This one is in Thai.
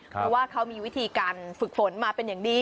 เพราะว่าเขามีวิธีการฝึกฝนมาเป็นอย่างดี